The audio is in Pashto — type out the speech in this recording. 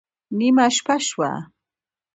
نېمه شپه شوه